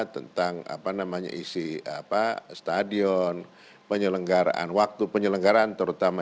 tentang apa namanya isi stadion penyelenggaraan waktu penyelenggaraan terutama